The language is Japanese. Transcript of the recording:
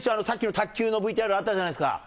さっきの卓球のＶＴＲがあったじゃないですか。